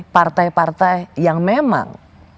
partai partai yang memang